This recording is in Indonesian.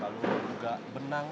lalu juga benang